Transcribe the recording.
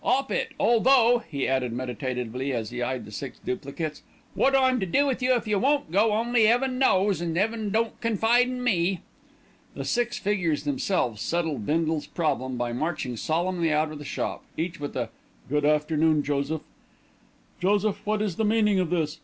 "'Op it, although," he added meditatively as he eyed the six duplicates, "wot I'm to do with you if you won't go, only 'Eaven knows, an' 'Eaven don't confide in me." The six figures themselves settled Bindle's problem by marching solemnly out of the shop, each with a "Good afternoon, Joseph." "Joseph, what is the meaning of this?"